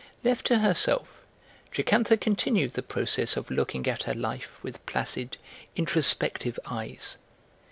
Left to herself, Jocantha continued the process of looking at her life with placid, introspective eyes.